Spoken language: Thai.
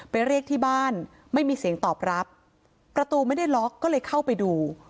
เรียกที่บ้านไม่มีเสียงตอบรับประตูไม่ได้ล็อกก็เลยเข้าไปดู